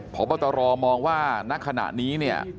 ขอบพระตรอลมองว่านักขณะนี้